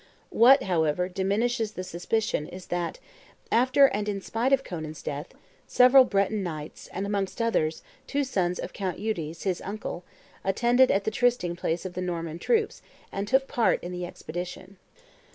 What, however, diminishes the suspicion is that, after and in spite of Conan's death, several Breton knights, and, amongst others, two sons of Count Eudes, his uncle, attended at the trysting place of the Norman troops and took part in the expedition.